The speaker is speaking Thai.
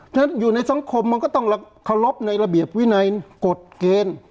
ฉะนั้นอยู่ในสังคมมันก็ต้องเคารพในระเบียบวินัยกฎเกณฑ์